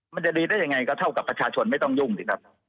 มันจะดีได้ยังไงก็เท่ากับประชาชนไม่ต้องยุ่งสิครับ